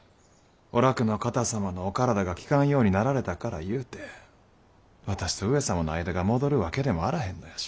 お楽の方様のお体が利かんようになられたからいうて私と上様の間が戻るわけでもあらへんのやし。